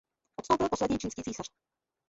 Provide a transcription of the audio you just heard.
Odstoupil poslední čínský císař.